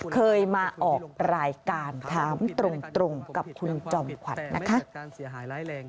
เคยมาออกรายการถามตรงกับคุณจอมขวัญนะคะ